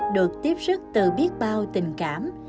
được tiếp sức từ biết bao tình cảm